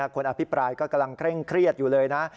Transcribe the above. อภิปรายก็กำลังเคร่งเครียดอยู่เลยนะ